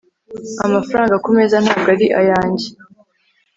amafaranga kumeza ntabwo ari ayanjye